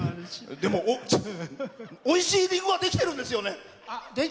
でも、おいしいリンゴができてるんですよね？